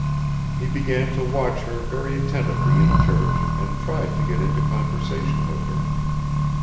He began to watch her very attentively in church and tried to get into conversation with her.